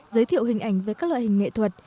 giới thiệu hình ảnh về các loại hình nghệ thuật